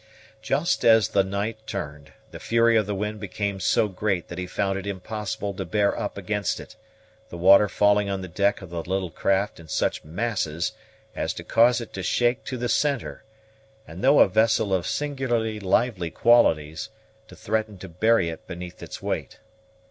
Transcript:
Just as the night turned, the fury of the wind became so great that he found it impossible to bear up against it, the water falling on the deck of the little craft in such masses as to cause it to shake to the centre, and, though a vessel of singularly lively qualities, to threaten to bury it beneath its weight.